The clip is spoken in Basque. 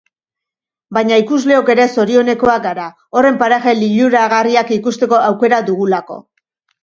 Baina ikusleok ere zorionekoak gara, horren paraje liluragarriak ikusteko aukera dugulako.